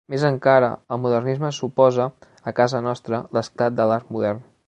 Més encara, el modernisme suposa, a casa nostra, l'esclat de l'art modern.